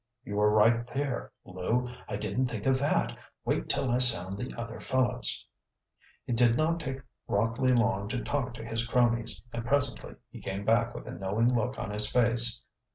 "You are right there, Lew, I didn't think of that. Wait till I sound the other fellows." It did not take Rockley long to talk to his cronies, and presently he came back with a knowing look on his face.